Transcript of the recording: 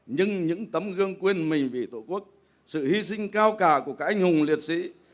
nhưng những tấm gương quên mình vì tổ quốc sự hy sinh cao cả của các anh hùng liệt sĩ